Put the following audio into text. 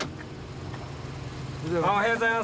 おはようございます。